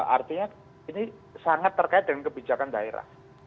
artinya ini sangat terkait dengan kebijakan daerah